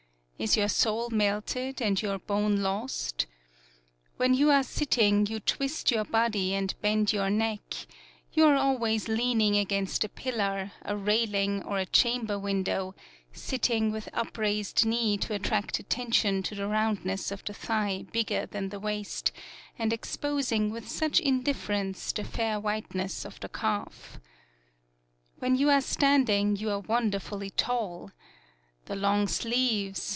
Is your soul melted and your bone lost? When you are sitting, you twist your body and bend your neck ; you are always leaning against a pillar, a railing or a chamber window, sitting with upraised knee to attract attention to the roundness of the thigh bigger than the waist, and expos ing with such indifference the fair white ness of the calf. When you are standing you are won derfully tall. The long sleeves!